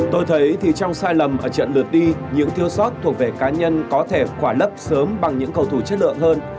tôi thấy thì trong sai lầm ở trận lượt đi những thiếu sót thuộc về cá nhân có thể quả lấp sớm bằng những cầu thủ chất lượng hơn